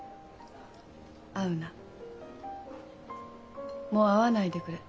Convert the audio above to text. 「会うなもう会わないでくれ」。